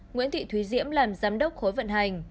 nguyễn thị thúy diễm làm giám đốc khối vận hành